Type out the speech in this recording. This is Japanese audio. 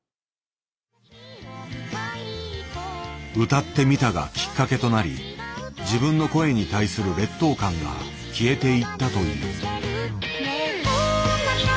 「歌ってみた」がきっかけとなり自分の声に対する劣等感が消えていったという。